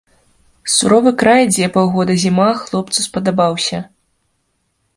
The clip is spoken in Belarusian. Суровы край, дзе паўгода зіма, хлопцу спадабаўся.